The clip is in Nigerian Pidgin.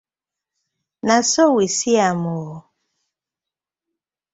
Na so we see am oo.